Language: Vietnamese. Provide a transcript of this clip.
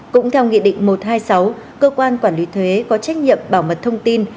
cũng theo nghị định một trăm hai mươi sáu cơ quan quản lý thuế có trách nhiệm bảo mật thông tin